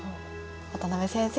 渡辺先生